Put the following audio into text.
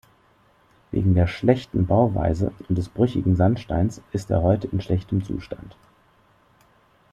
Wegen der schlechten Bauweise und des brüchigen Sandsteins ist er heute in schlechtem Zustand.